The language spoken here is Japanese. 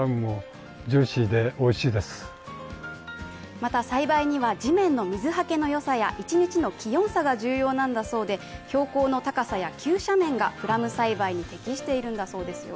また、栽培には地面の水はけのよさや一日の気温差が重要なんだそうで、標高の高さや急斜面がプラム栽培に適しているんだそうですよ。